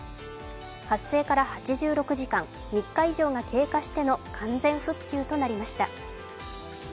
発生から８６時間、３日以上が経過しての完全復旧となりました。